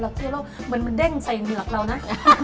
เหมือนมันเด้งใส้เหนือกเรานะ